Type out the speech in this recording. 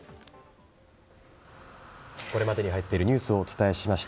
これまでに入っているニュースをお伝えしました。